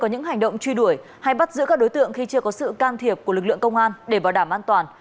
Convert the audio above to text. hãy bắt giữ các đối tượng khi chưa có sự can thiệp của lực lượng công an để bảo đảm an toàn